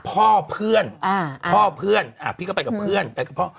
พ่อเพื่อนอ่าพ่อเพื่อนพี่ก็ไปกับเพื่อนไปกับพ่อ